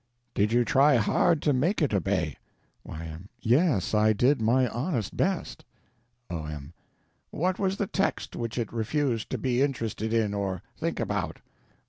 Did you try hard to make it obey? Y.M. Yes, I did my honest best. O.M. What was the text which it refused to be interested in or think about?